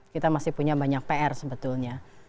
kita masih punya banyak pr sebetulnya